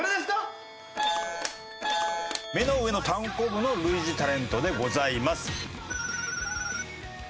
目の上のたんこぶの類似タレントでございます。